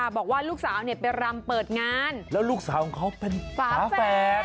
บอกว่าลูกสาวไปรำเปิดงานแล้วลูกสาวของเขาเป็นฝาแฝด